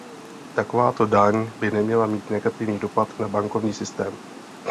Takováto daň by neměla mít negativní dopad na bankovní systém.